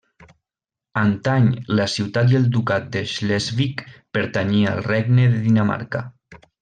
Antany la ciutat i el ducat de Slesvig pertanyia al regne de Dinamarca.